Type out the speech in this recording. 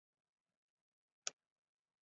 同母弟蜀王李愔。